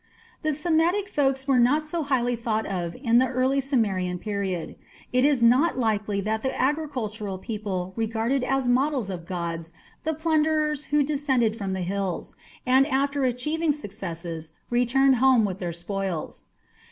The Semitic folks were not so highly thought of in the early Sumerian period. It is not likely that the agricultural people regarded as models of gods the plunderers who descended from the hills, and, after achieving successes, returned home with their spoils.